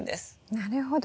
なるほど。